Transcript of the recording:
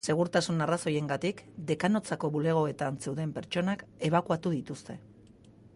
Segurtasun arrazoiengatik, dekanotzako bulegoetan zeuden pertsonak ebakuatu dituzte.